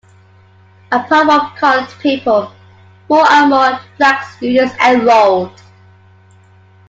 Apart from coloured people, more and more black students enrolled.